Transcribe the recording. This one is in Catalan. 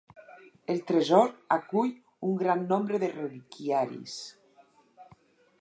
El tresor acull un gran nombre de reliquiaris.